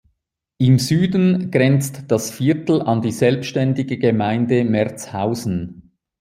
Im Süden grenzt das Viertel an die selbständige Gemeinde Merzhausen.